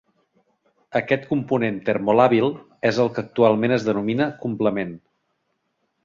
Aquest component termolàbil és el que actualment es denomina complement.